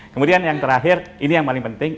kemudian yang terakhir ini yang paling penting